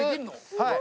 はい。